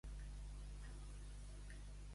No cal fer-ne estat.